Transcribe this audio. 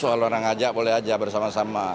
soal orang ajak boleh aja bersama sama